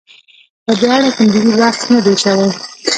په دې اړه کوم جدي بحث نه دی شوی.